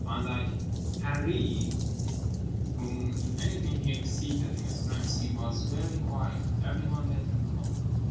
Unlike Harree, whom, if anything, he exceeded in strength, he was very quiet. Everyone let him alone.